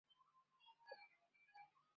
出身于宫城县仙台市。